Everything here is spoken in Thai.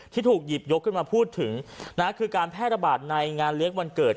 ที่ถูกหยิบยกขึ้นมาพูดถึงคือการแพร่ระบาดในงานเลี้ยงวันเกิด